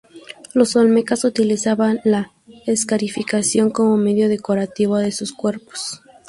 Los Olmecas utilizaban la escarificación como medio decorativo de sus cuerpos.